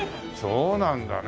そうなんだね。